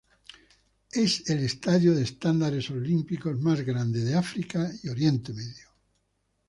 Es el estadio de estándares olímpicos más grande de África y Oriente Medio.